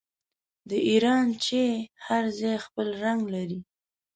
د ایران چای هر ځای خپل رنګ لري.